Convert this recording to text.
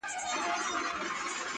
o اوښ په غلبېل نه درنېږي٫